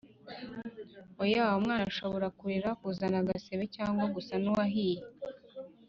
Oya umwana ashobora kurira kuzana agasebe cg gusa n uwahiye